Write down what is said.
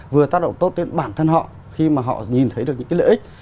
vừa tác động tốt đến bản thân họ khi mà họ nhìn thấy được những cái lợi ích